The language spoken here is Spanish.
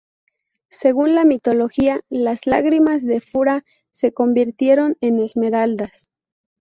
Según la mitología, las lágrimas de Fura se convirtieron en esmeraldas.